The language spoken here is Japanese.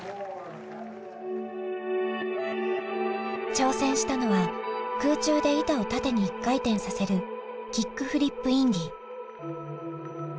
挑戦したのは空中で板を縦に１回転させるキックフリップインディ。